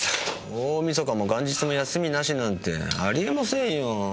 大晦日も元日も休みなしなんて有り得ませんよ。